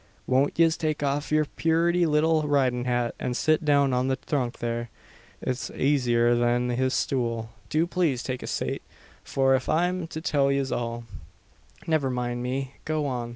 Won't yez take aff yer purty little ridin' hat, an sit down on the thrunk thare? it's asier than the stool. Do plaze take a sate; for if I'm to tell yez all " "Never mind me go on.